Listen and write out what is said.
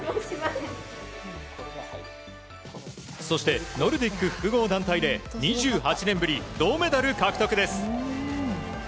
そしてノルディック複合団体で２８年ぶり銅メダル獲得です。